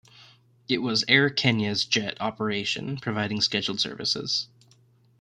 It was Airkenya's jet operation providing scheduled services.